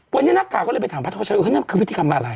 วันนี้นักการณ์ก็เลยไปถามพระธวัชชัยวันนี้มันคือวิธีกรรมอะไรอ่ะ